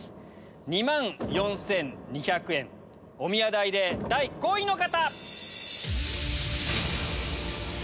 ２万４２００円おみや代で第５位の方！